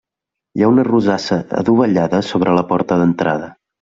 Hi ha una rosassa adovellada sobre la porta d'entrada.